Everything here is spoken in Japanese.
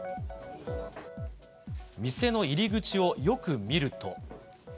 店の入り口をよく見ると。